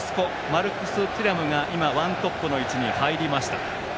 マルクス・テュラムがワントップの位置に入りました。